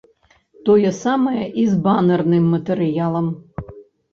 Тое самае і з банэрным матэрыялам.